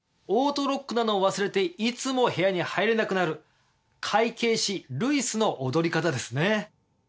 オートロックなのを忘れていつも部屋に入れなくなる会計士ルイスの踊り方ですね。